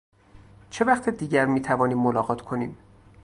چه وقت دیگر میتوانیم ملاقات کنیم؟